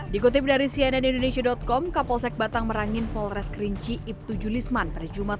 dikutip dari cnn indonesia com kapolsek batang merangin polres kerinci ibtu julisman pada jumat